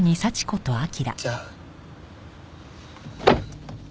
じゃあ。